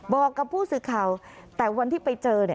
บอกกับผู้สื่อข่าวแต่วันที่ไปเจอเนี่ย